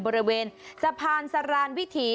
บริเวณสะพานสรานวิถี